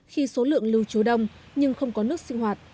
khi số lượng lưu trú đông nhưng không có nước sinh hoạt